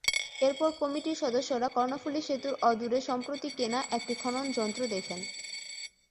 এরপর কমিটির সদস্যরা কর্ণফুলী সেতুর অদূরে সম্প্রতি কেনা একটি খননযন্ত্র দেখেন।